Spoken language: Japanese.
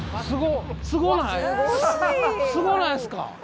すごないっすか？